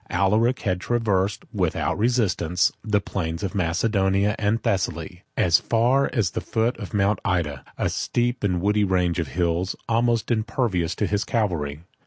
Alaric had traversed, without resistance, the plains of Macedonia and Thessaly, as far as the foot of Mount Oeta, a steep and woody range of hills, almost impervious to his cavalry.